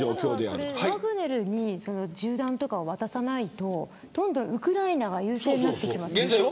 ワグネルに銃弾とかを渡さないとウクライナが優勢になりますよね。